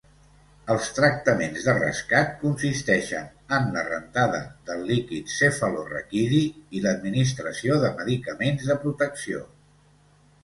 Els tractaments de rescat consisteixen en la rentada del líquid cefalorraquidi i l'administració de medicaments de protecció.